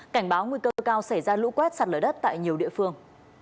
cảnh báo nguy cơ cao xảy ra lũ quét sạt lở đất tại nhiều địa phương